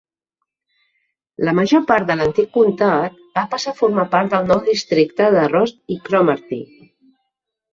La major part de l'antic comtat va passar a formar part del nou districte de Ross i Cromarty.